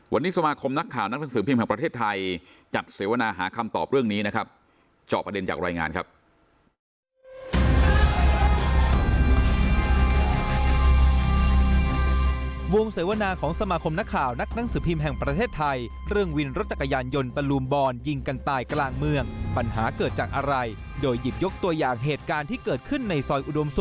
วันนี้สมาคมนักข่าวนักหนังสือพิมพ์แห่งประเทศไทยจัดเสวนาหาคำตอบเรื่องนี้นะครับ